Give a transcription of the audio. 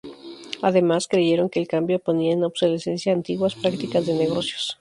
Además, creyeron que el cambio ponía en obsolescencia antiguas prácticas de negocios.